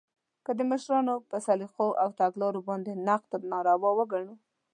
که د مشرانو په سلیقو او تګلارو باندې نقد ناروا وګڼو